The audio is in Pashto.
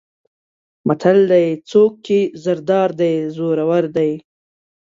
متل دی: څوک چې زر دار دی زورور دی.